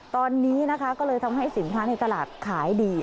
ตอนนี้นะคะก็เลยทำให้สินค้าในตลาดขายดี